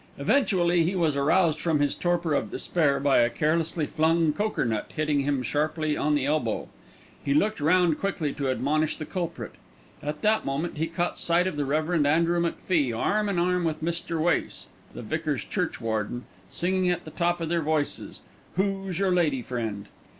Eventually he was aroused from his torpor of despair by a carelessly flung cokernut hitting him sharply on the elbow. He looked round quickly to admonish the culprit. At that moment he caught sight of the Rev. Andrew McFie arm in arm with Mr. Wace, the vicar's churchwarden, singing at the top of their voices, "Who's your Lady Friend?"